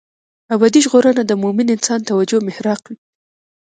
ابدي ژغورنه د مومن انسان توجه محراق وي.